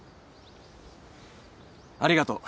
ありがとう。